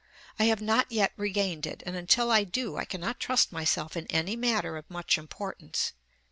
I have not yet regained it; and until I do I cannot trust myself in any matter of much importance.